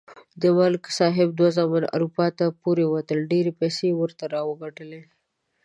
د ملک صاحب دوه زامن اروپا ته پورې وتل. ډېرې پیسې یې ورته راوگټلې.